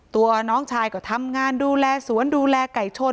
ตัวน้องชายก็ทำงานดูแลสวนดูแลไก่ชน